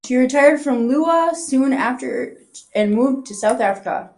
She retired from Lewa soon after and moved to South Africa.